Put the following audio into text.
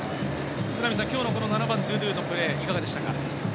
今日の７番、ドゥドゥのプレーいかがでしたか？